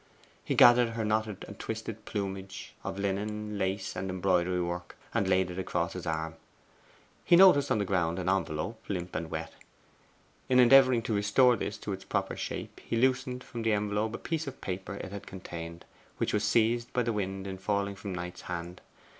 He gathered up her knotted and twisted plumage of linen, lace, and embroidery work, and laid it across his arm. He noticed on the ground an envelope, limp and wet. In endeavouring to restore this to its proper shape, he loosened from the envelope a piece of paper it had contained, which was seized by the wind in falling from Knight's hand.